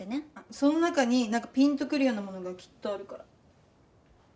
その中になんかピンとくるようなものがきっとあるから。